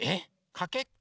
かけっこ？